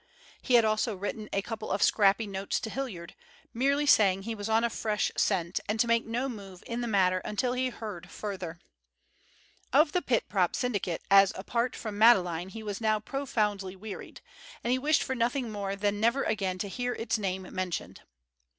He had also written a couple of scrappy notes to Hilliard, merely saying he was on a fresh scent, and to make no move in the matter until he heard further. Of the Pit Prop Syndicate as apart from Madeleine he was now profoundly wearied, and he wished for nothing more than never again to hear its name mentioned.